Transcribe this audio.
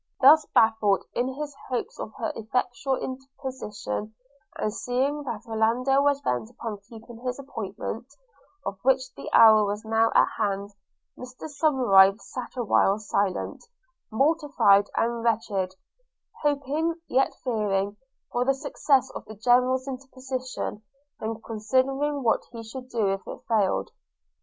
Thus baffled in his hopes of her effectual interposition, and seeing that Orlando was bent upon keeping his appointment, of which the hour was now at hand, Mr Somerive sat awhile silent, mortified and wretched – hoping, yet fearing, for the success of the General's interposition, and considering what he should do if it failed.